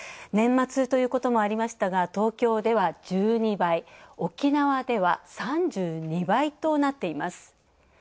年末ということもありましたが東京では１２倍、沖縄では３２倍となっています。